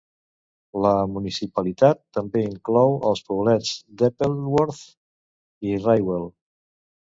La municipalitat també inclou els poblets d'Eppleworth i Raywell.